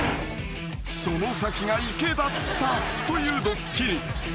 ［その先が池だったというドッキリ］